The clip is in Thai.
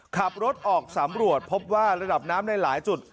ขับรถออกสำรวจพบว่าระดับน้ำในหลายจุด